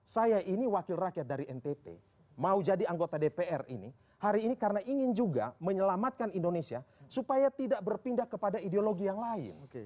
saya ini wakil rakyat dari ntt mau jadi anggota dpr ini hari ini karena ingin juga menyelamatkan indonesia supaya tidak berpindah kepada ideologi yang lain